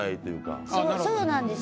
そうなんですよ。